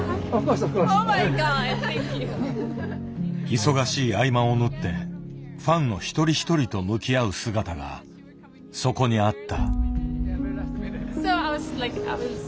忙しい合間を縫ってファンの一人一人と向き合う姿がそこにあった。